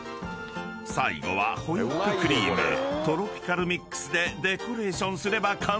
［最後はホイップクリームトロピカルミックスでデコレーションすれば完成］